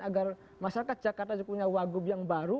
agar masyarakat jakarta punya wakub yang baru yang kita selesaikan